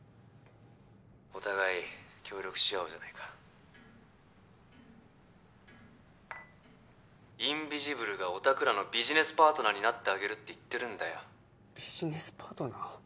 お互い協力し合おうじゃないかインビジブルがおたくらのビジネスパートナーになってあげるって言ってるんだよビジネスパートナー？